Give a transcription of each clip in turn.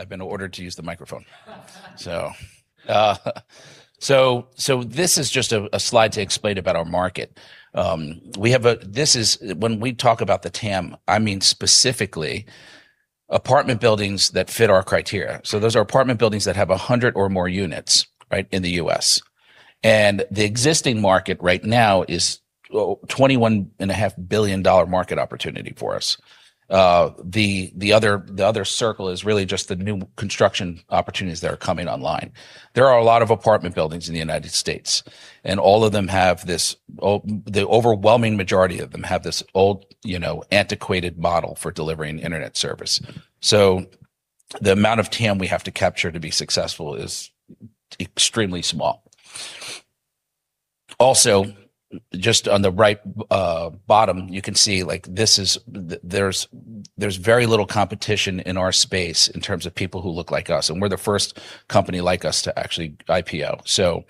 I've been ordered to use the microphone. This is just a slide to explain about our market. When we talk about the TAM, I mean specifically apartment buildings that fit our criteria. Those are apartment buildings that have 100 or more units in the U.S. The existing market right now is a $21.5 billion market opportunity for us. The other circle is really just the new construction opportunities that are coming online. There are a lot of apartment buildings in the United States, and the overwhelming majority of them have this old, antiquated model for delivering internet service. The amount of TAM we have to capture to be successful is extremely small. Just on the right bottom, you can see there's very little competition in our space in terms of people who look like us, and we're the first company like us to actually IPO.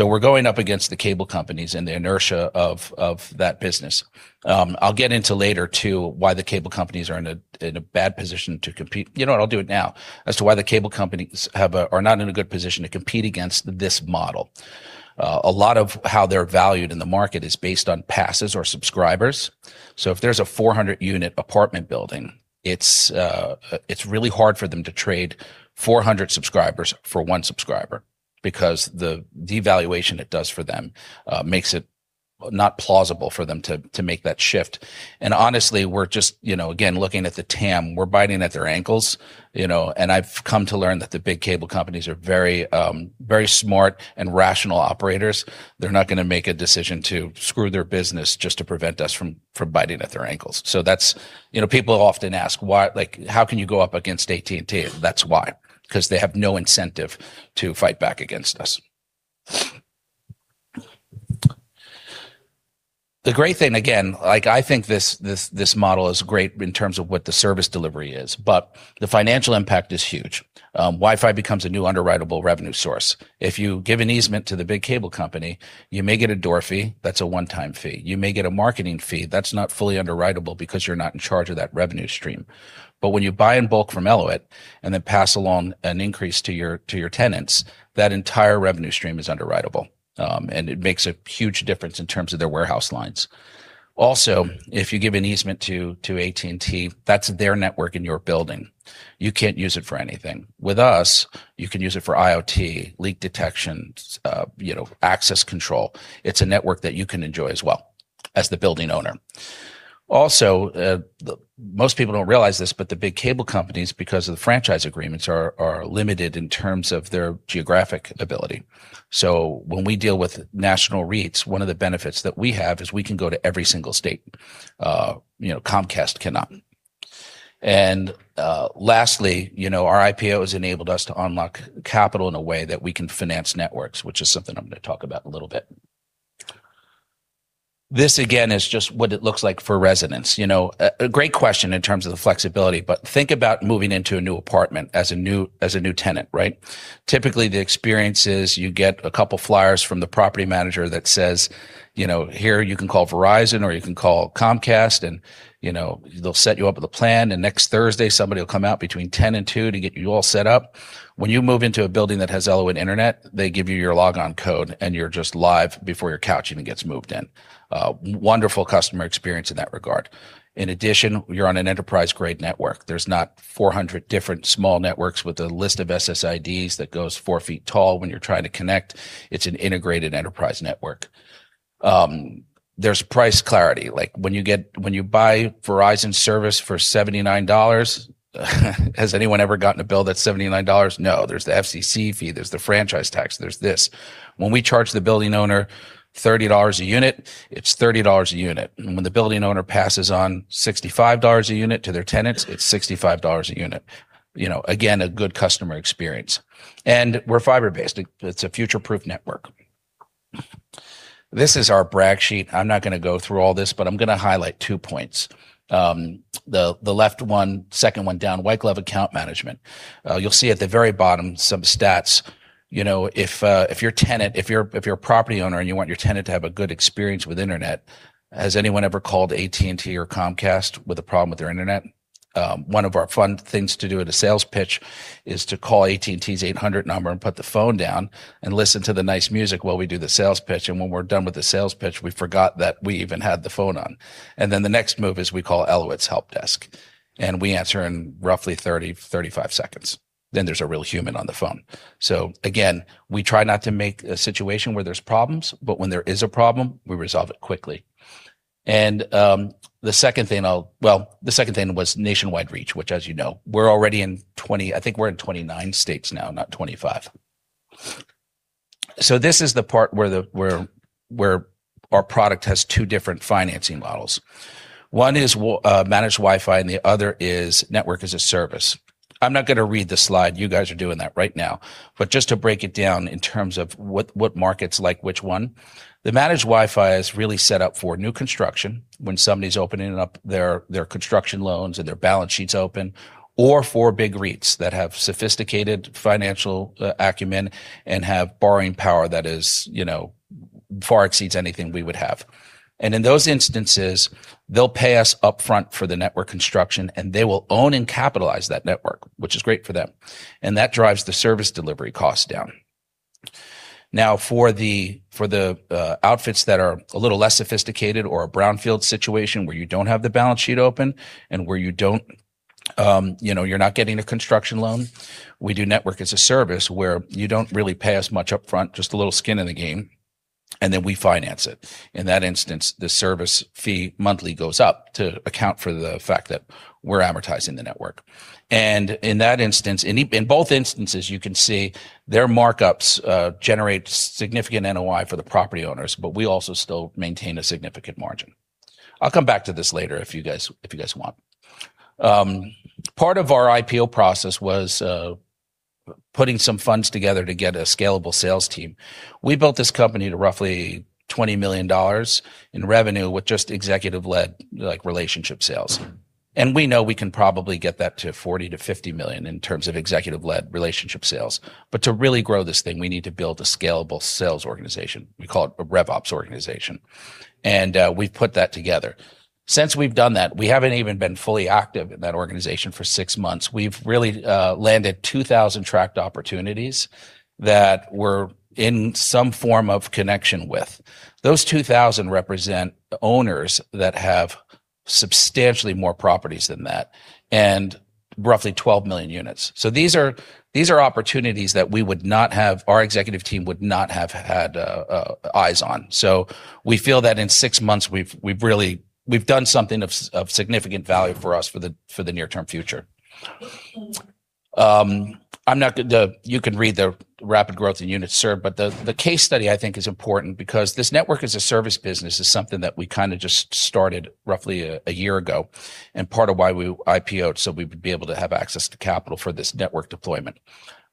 We're going up against the cable companies and the inertia of that business. I'll get into later, too, why the cable companies are in a bad position to compete. You know what, I'll do it now. As to why the cable companies are not in a good position to compete against this model. A lot of how they're valued in the market is based on passes or subscribers. If there's a 400-unit apartment building, it's really hard for them to trade 400 subscribers for one subscriber because the devaluation it does for them makes it not plausible for them to make that shift. Honestly, we're just, again, looking at the TAM. We're biting at their ankles. I've come to learn that the big cable companies are very smart and rational operators. They're not going to make a decision to screw their business just to prevent us from biting at their ankles. People often ask, "How can you go up against AT&T?" That's why. Because they have no incentive to fight back against us. The great thing, again, I think this model is great in terms of what the service delivery is, but the financial impact is huge. Wi-Fi becomes a new underwritable revenue source. If you give an easement to the big cable company, you may get a door fee. That's a one-time fee. You may get a marketing fee. That's not fully underwritable because you're not in charge of that revenue stream. When you buy in bulk from Elauwit and then pass along an increase to your tenants, that entire revenue stream is underwritable, and it makes a huge difference in terms of their warehouse lines. If you give an easement to AT&T, that's their network in your building. You can't use it for anything. With us, you can use it for IoT, leak detection, access control. It's a network that you can enjoy as well as the building owner. Most people don't realize this, but the big cable companies, because of the franchise agreements, are limited in terms of their geographic ability. When we deal with national REITs, one of the benefits that we have is we can go to every single state. Comcast cannot. Lastly, our IPO has enabled us to unlock capital in a way that we can finance networks, which is something I'm going to talk about in a little bit. This, again, is just what it looks like for residents. A great question in terms of the flexibility. Think about moving into a new apartment as a new tenant, right? Typically, the experience is you get a couple flyers from the property manager that says, "Here, you can call Verizon or you can call Comcast, and they'll set you up with a plan. Next Thursday, somebody will come out between 10:00 and 2:00 to get you all set up." When you move into a building that has Elauwit internet, they give you your login code. You're just live before your couch even gets moved in. A wonderful customer experience in that regard. In addition, you're on an enterprise-grade network. There's not 400 different small networks with a list of SSIDs that goes four feet tall when you're trying to connect. It's an integrated enterprise network. There's price clarity. When you buy Verizon service for $79, has anyone ever gotten a bill that's $79? No. There's the FCC fee, there's the franchise tax, there's this. When we charge the building owner $30 a unit, it's $30 a unit. When the building owner passes on $65 a unit to their tenants, it's $65 a unit. Again, a good customer experience. We're fiber-based. It's a future-proof network. This is our brag sheet. I'm not going to go through all this. I'm going to highlight two points. The left one, second one down, white glove account management. You'll see at the very bottom some stats. If you're a property owner and you want your tenant to have a good experience with internet, has anyone ever called AT&T or Comcast with a problem with their internet? One of our fun things to do at a sales pitch is to call AT&T's 800 number and put the phone down and listen to the nice music while we do the sales pitch. When we're done with the sales pitch, we forgot that we even had the phone on. The next move is we call Elauwit's help desk. We answer in roughly 30-35 seconds. There's a real human on the phone. Again, we try not to make a situation where there's problems. When there is a problem, we resolve it quickly. The second thing was nationwide reach, which as you know, I think we're in 29 states now, not 25. This is the part where our product has two different financing models. One is managed Wi-Fi and the other is Network as a Service. I'm not going to read the slide. You guys are doing that right now. Just to break it down in terms of what markets like which one, the managed Wi-Fi is really set up for new construction when somebody's opening up their construction loans and their balance sheets open, or for big REITs that have sophisticated financial acumen and have borrowing power that far exceeds anything we would have. In those instances, they'll pay us upfront for the network construction, and they will own and capitalize that network, which is great for them. That drives the service delivery cost down. For the outfits that are a little less sophisticated or a brownfield situation where you don't have the balance sheet open and where you're not getting a construction loan, we do Network as a Service where you don't really pay us much upfront, just a little skin in the game, then we finance it. In that instance, the service fee monthly goes up to account for the fact that we're amortizing the network. In both instances, you can see their markups generate significant NOI for the property owners, but we also still maintain a significant margin. I'll come back to this later if you guys want. Part of our IPO process was putting some funds together to get a scalable sales team. We built this company to roughly $20 million in revenue with just executive-led relationship sales. We know we can probably get that to $40 million to $50 million in terms of executive-led relationship sales. To really grow this thing, we need to build a scalable sales organization. We call it a RevOps organization. We've put that together. Since we've done that, we haven't even been fully active in that organization for six months. We've really landed 2,000 tracked opportunities that we're in some form of connection with. Those 2,000 represent owners that have substantially more properties than that and roughly 12 million units. These are opportunities that our executive team would not have had eyes on. We feel that in six months we've done something of significant value for us for the near-term future. You can read the rapid growth in units served, the case study I think is important because this Network as a Service business is something that we kind of just started roughly a year ago and part of why we IPO'd so we would be able to have access to capital for this network deployment.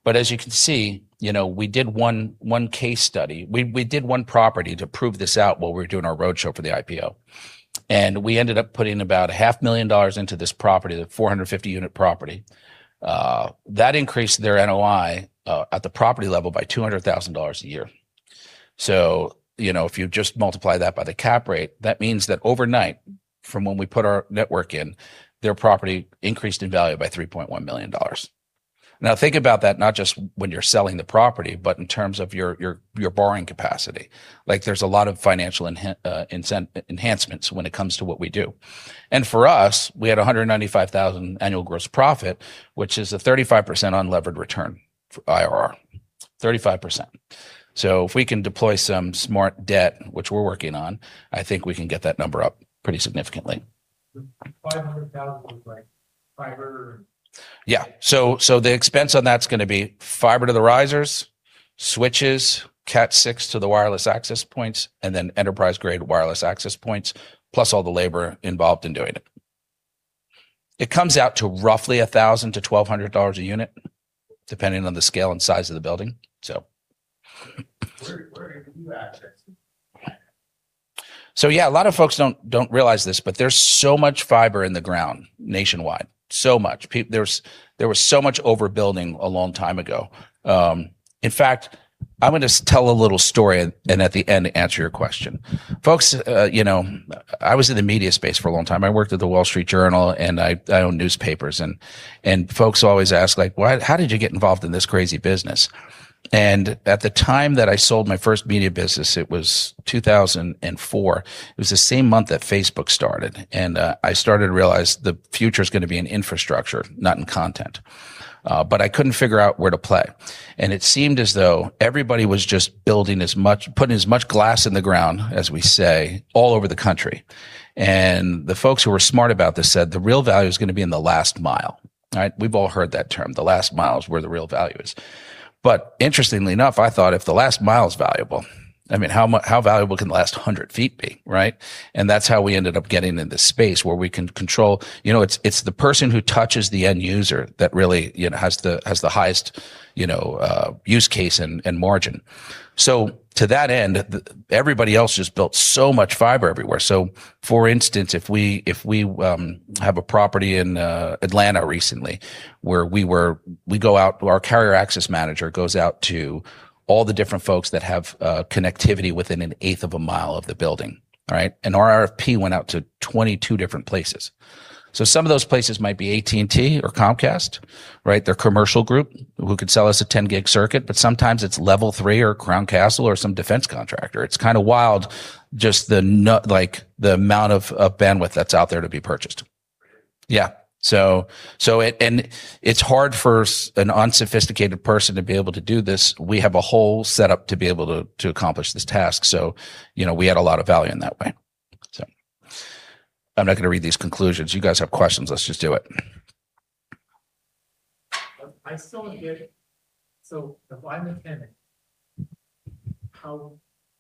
As you can see, we did one case study. We did one property to prove this out while we were doing our roadshow for the IPO. We ended up putting about a half million dollars into this property, the 450-unit property. That increased their NOI at the property level by $200,000 a year. If you just multiply that by the cap rate, that means that overnight from when we put our network in, their property increased in value by $3.1 million. Think about that, not just when you're selling the property, but in terms of your borrowing capacity. There's a lot of financial enhancements when it comes to what we do. For us, we had $195,000 annual gross profit, which is a 35% unlevered return IRR, 35%. If we can deploy some smart debt, which we're working on, I think we can get that number up pretty significantly. The $500,000 was like fiber? Yeah. The expense on that's going to be fiber to the risers, switches, Cat6 to the wireless access points, enterprise-grade wireless access points, plus all the labor involved in doing it. It comes out to roughly $1,000-$1,200 a unit, depending on the scale and size of the building. Where are you accessing? Yeah, a lot of folks don't realize this, there's so much fiber in the ground nationwide, so much. There was so much overbuilding a long time ago. In fact, I'm going to tell a little story at the end answer your question. Folks, I was in the media space for a long time. I worked at The Wall Street Journal, I own newspapers. Folks always ask, "How did you get involved in this crazy business?" At the time that I sold my first media business, it was 2004. It was the same month that Facebook started. I started to realize the future's going to be in infrastructure, not in content. I couldn't figure out where to play. It seemed as though everybody was just putting as much glass in the ground, as we say, all over the country. The folks who were smart about this said the real value is going to be in the last mile. We've all heard that term, the last mile is where the real value is. Interestingly enough, I thought if the last mile is valuable, how valuable can the last 100 feet be, right? That's how we ended up getting in this space where we can control. It's the person who touches the end user that really has the highest use case and margin. To that end, everybody else just built so much fiber everywhere. For instance, if we have a property in Atlanta recently where our Carrier Access Manager goes out to all the different folks that have connectivity within an eighth of a mile of the building. Our RFP went out to 22 different places. Some of those places might be AT&T or Comcast, their commercial group who could sell us a 10-gig circuit. Sometimes it's Level 3 or Crown Castle or some defense contractor. It's kind of wild just the amount of bandwidth that's out there to be purchased. Right. Yeah. It's hard for an unsophisticated person to be able to do this. We have a whole setup to be able to accomplish this task. We add a lot of value in that way. I'm not going to read these conclusions. You guys have questions, let's just do it. I still am getting. If I'm a tenant, how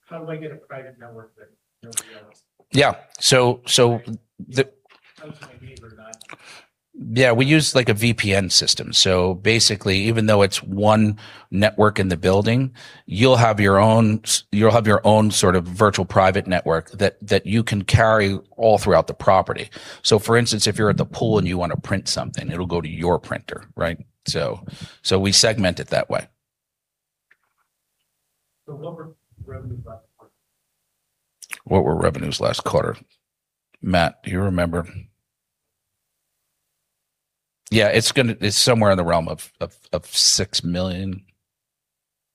do I get a private network that nobody else. Yeah. Talk to my neighbor or not? Yeah, we use a VPN system. Basically, even though it's one network in the building, you'll have your own sort of virtual private network that you can carry all throughout the property. For instance, if you're at the pool and you want to print something, it'll go to your printer. We segment it that way. What were revenues last quarter? What were revenues last quarter? Matt, do you remember? Yeah, it's somewhere in the realm of $6 million.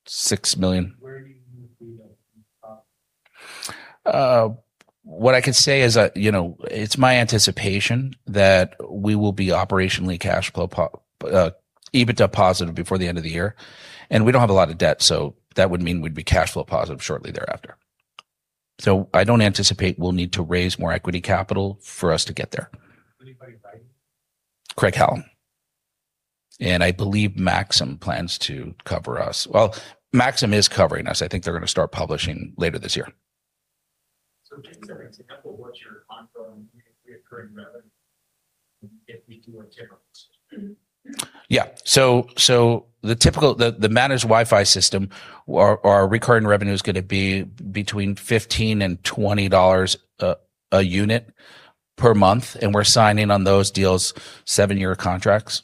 Where do you see that in the top? What I can say is that it's my anticipation that we will be operationally cashflow, EBITDA positive before the end of the year. We don't have a lot of debt, so that would mean we'd be cashflow positive shortly thereafter. I don't anticipate we'll need to raise more equity capital for us to get there. Anybody writing? Craig-Hallum. I believe Maxim plans to cover us. Well, Maxim is covering us. I think they're going to start publishing later this year. Give us an example of what your ongoing reoccurring revenue, if we do our 10,000 units. Yeah. The managed Wi-Fi system, our recurring revenue is going to be between $15 and $20 a unit per month, and we're signing on those deals, seven-year contracts.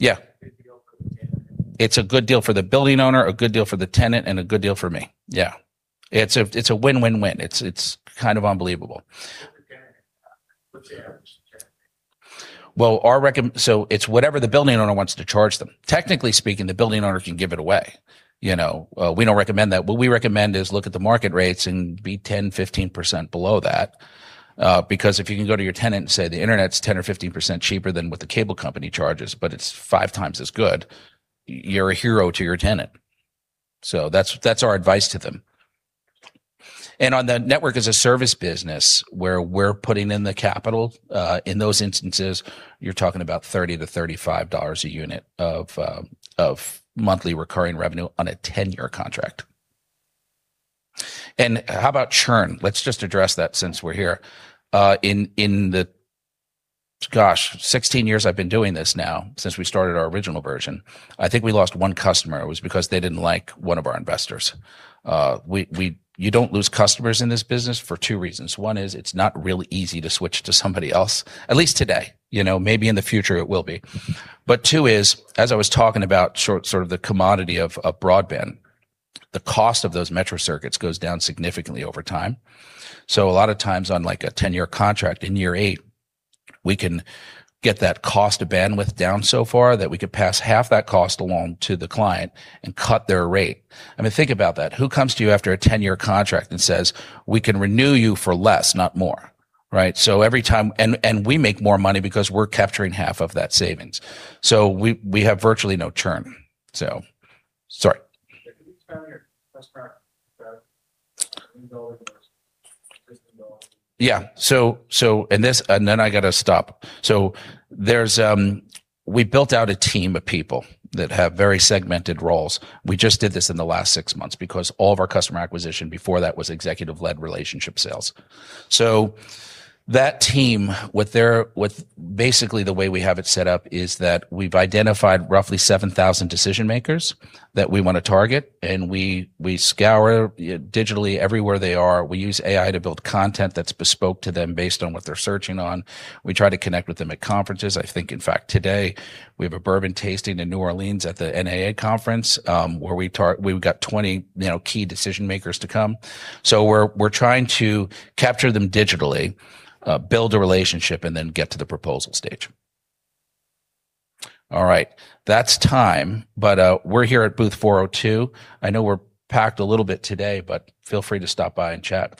Yeah. Good deal for the tenant. It's a good deal for the building owner, a good deal for the tenant, and a good deal for me. Yeah. It's a win-win-win. It's kind of unbelievable. What's the average tenant pay? It's whatever the building owner wants to charge them. Technically speaking, the building owner can give it away. We don't recommend that. What we recommend is look at the market rates and be 10%-15% below that. Because if you can go to your tenant and say the internet's 10% or 15% cheaper than what the cable company charges, but it's 5x as good, you're a hero to your tenant. That's our advice to them. On the Network as a Service business, where we're putting in the capital, in those instances, you're talking about $30-$35 a unit of monthly recurring revenue on a 10-year contract. How about churn? Let's just address that since we're here. In the, gosh, 16 years I've been doing this now, since we started our original version, I think we lost one customer. It was because they didn't like one of our investors. You don't lose customers in this business for two reasons. One is it's not really easy to switch to somebody else, at least today. Maybe in the future it will be. Two is, as I was talking about the commodity of broadband, the cost of those metro circuits goes down significantly over time. A lot of times on a 10-year contract, in year eight, we can get that cost of bandwidth down so far that we could pass half that cost along to the client and cut their rate. I mean, think about that. Who comes to you after a 10-year contract and says, "We can renew you for less, not more." Right? We make more money because we're capturing half of that savings. We have virtually no churn. Sorry. Can you explain your best practice for system development? Yeah. I got to stop. We built out a team of people that have very segmented roles. We just did this in the last six months because all of our customer acquisition before that was executive-led relationship sales. That team, basically the way we have it set up is that we've identified roughly 7,000 decision-makers that we want to target, and we scour digitally everywhere they are. We use AI to build content that's bespoke to them based on what they're searching on. We try to connect with them at conferences. I think, in fact, today we have a bourbon tasting in New Orleans at the NAA conference, where we've got 20 key decision-makers to come. We're trying to capture them digitally, build a relationship, and then get to the proposal stage. All right. That's time. We're here at Booth 402. I know we're packed a little bit today, but feel free to stop by and chat.